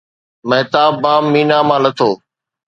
مهتاب بام مينا مان لٿو